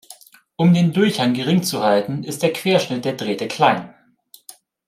Um den Durchhang gering zu halten, ist der Querschnitt der Drähte klein.